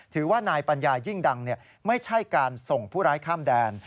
ถือว่านายปัญญายิ่งดังไม่ใช่การส่งผู้ร้ายข้ามแดน